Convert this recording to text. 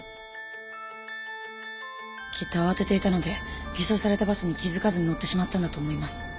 きっと慌てていたので偽装されたバスに気付かずに乗ってしまったんだと思います。